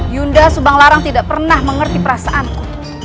yunda subanglarang tidak pernah mengerti perasaanku